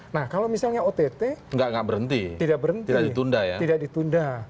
nah kalau misalnya ott tidak berhenti tidak ditunda